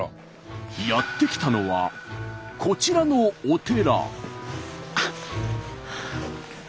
やって来たのはこちらのお寺。